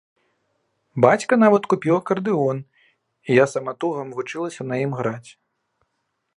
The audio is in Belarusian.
Бацька нават купіў акардэон, і я саматугам вучылася на ім граць.